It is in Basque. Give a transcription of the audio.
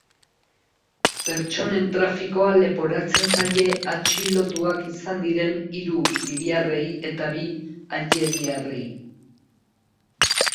Pertsonen trafikoa leportazen zaie atxilotuak izan diren hiru libiarrei eta bi algeriarrei.